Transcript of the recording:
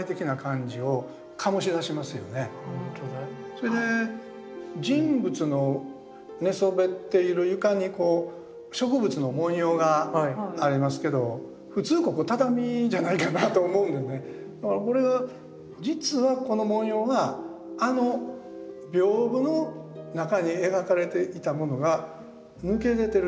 それで人物の寝そべっている床に植物の文様がありますけど普通ここ畳じゃないかなぁと思うので実はこの文様があの屏風の中に描かれていたものが抜け出てるんじゃないか。